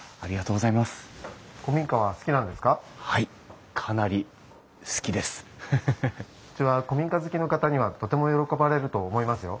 うちは古民家好きの方にはとても喜ばれると思いますよ。